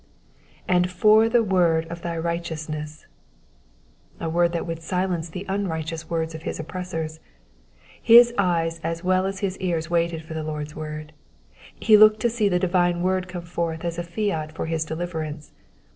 ^^ And for the word of thy righteoitsness :^^ a word that would silence the unrighteous words of his oppressors. His eyes as well as his ears waited for the Lord's word : he looked to see the divine word come forth as a liat for his deliverance.